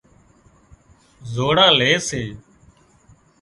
زوڙان لي سي